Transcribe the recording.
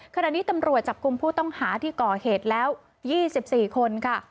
ขณะนี้ตำรวจจับกลุ่มผู้ต้องหาที่ก่อเหตุแล้ว๒๔คนค่ะ